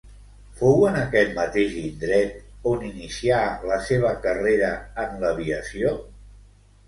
Fou en aquest mateix indret on inicià la seva carrera en l'aviació?